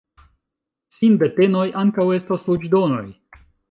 Sindetenoj ankaŭ estas voĉdonoj.